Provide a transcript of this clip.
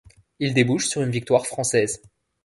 Il débouche sur une victoire française.